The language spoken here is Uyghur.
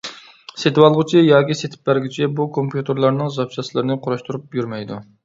سېتىۋالغۇچى ياكى سېتىپ بەرگۈچى بۇ كومپيۇتېرلارنىڭ زاپچاسلىرىنى قۇراشتۇرۇپ يۈرمەيدۇ.